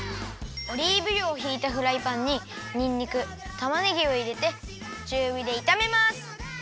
オリーブ油をひいたフライパンににんにくたまねぎをいれてちゅうびでいためます。